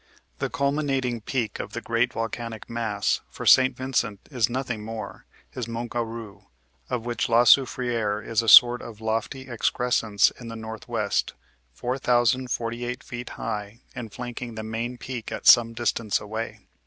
The culminating peak of the great volcanic mass, for St. Vincent is nothing more, is Mont Garou, of which La Soufriere is a sort of lofty excrescence in the northwest, 4,048 feet high, and flanking the main peak at some distance away.